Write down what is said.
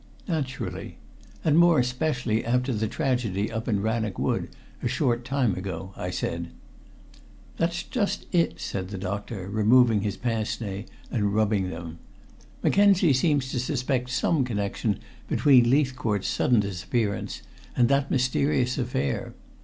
"Naturally. And more especially after the tragedy up in Rannoch Wood a short time ago," I said. "That's just it," said the doctor, removing his pince nez and rubbing them. "Mackenzie seems to suspect some connection between Leithcourt's sudden disappearance and that mysterious affair.